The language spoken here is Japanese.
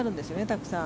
たくさん。